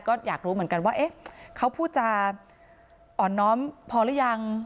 ก็อยากรู้เหมือนกันว่าเอ๊ะเขาพูดจะอ่อนน้อมพอหรือยัง